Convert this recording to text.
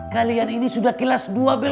kalian ini sudah kelas dua belas